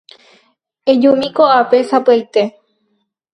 Ejumi ko'ápe sapy'aite.